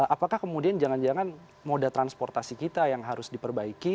apakah kemudian jangan jangan moda transportasi kita yang harus diperbaiki